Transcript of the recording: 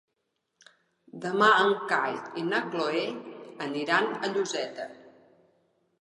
Demà en Cai i na Cloè aniran a Lloseta.